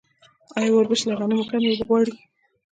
آیا وربشې له غنمو کمې اوبه غواړي؟